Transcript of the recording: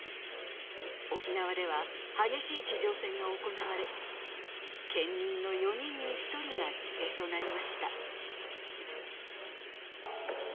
沖縄では激しい地上戦が行われ、県民の４人に１人が犠牲となりました。